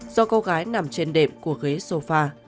do cô gái nằm trên đệm của ghế sofa